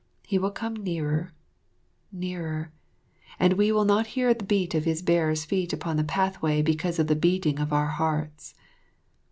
He will come nearer nearer and we will not hear the beat of his bearers' feet upon the pathway because of the beating of our hearts."